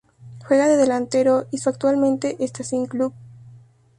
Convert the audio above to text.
Juega de delantero y su actualmente está sin club.